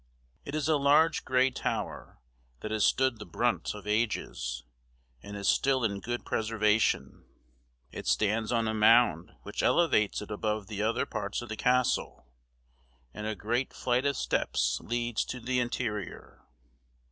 It is a large gray tower, that has stood the brunt of ages, and is still in good preservation. It stands on a mound which elevates it above the other parts of the castle, and a great flight of steps leads to the interior.